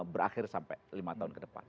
berakhir sampai lima tahun ke depan